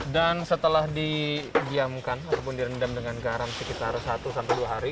dan setelah digiamkan ataupun direndam dengan garam sekitar satu sampai dua hari